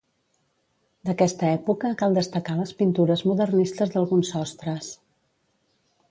D'aquesta època cal destacar les pintures modernistes d'alguns sostres.